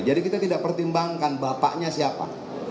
jadi kita tidak pertimbangkan bapaknya siapa